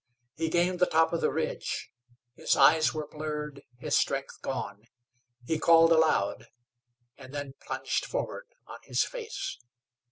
He gained the top of the ridge; his eyes were blurred, his strength gone. He called aloud, and then plunged forward on his face.